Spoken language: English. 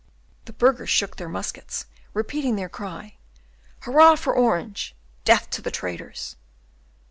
The burghers shook their muskets, repeating their cry, "Hurrah for Orange! Death to the traitors!"